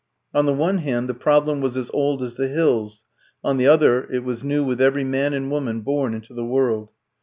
On the one hand the problem was as old as the hills, on the other it was new with every man and woman born into the world.